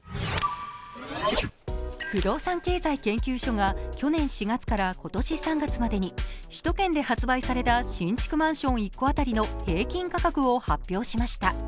不動産経済研究所が去年４月から今年３月までに首都圏で発売された新築マンション１戸当たりの平均価格を発表しました。